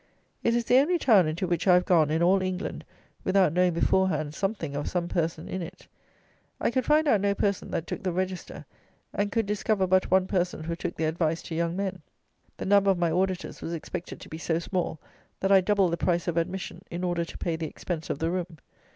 It is the only town into which I have gone, in all England, without knowing, beforehand, something of some person in it. I could find out no person that took the Register; and could discover but one person who took the Advice to Young Men. The number of my auditors was expected to be so small, that I doubled the price of admission, in order to pay the expense of the room.